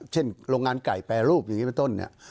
เช่นโรงงานไก่แปรรูปอย่างนี้มาต้น